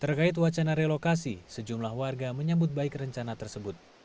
terkait wacana relokasi sejumlah warga menyambut baik rencana tersebut